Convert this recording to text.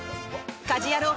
「家事ヤロウ！！！」